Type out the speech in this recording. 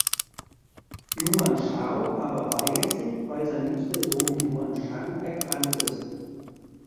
Yuan Shao aber weigert sich, weil sein liebster Sohn Yuan Shang erkrankt ist.